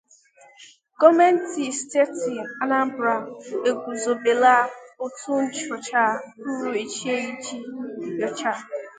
gọọmenti steeti Anambra eguzobela òtù nnyocha pụrụ iche iji nyochaa